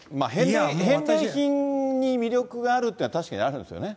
返礼品に魅力があるっていうのは、確かにあるんですよね。